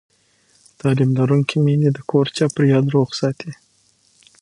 تعلیم لرونکې میندې د کور چاپېریال روغ ساتي.